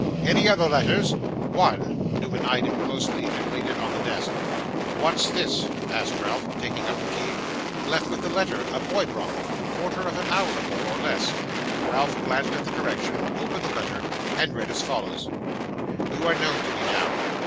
'Any other letters?' 'One.' Newman eyed him closely, and laid it on the desk. 'What's this?' asked Ralph, taking up the key. 'Left with the letter; a boy brought them quarter of an hour ago, or less.' Ralph glanced at the direction, opened the letter, and read as follows: 'You are known to me now.